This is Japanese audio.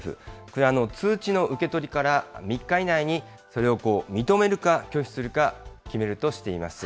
これは通知の受け取りから３日以内に、それを認めるか、拒否するか決めるとしています。